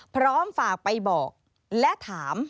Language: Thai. พร้อมฝากไปบอกและถาม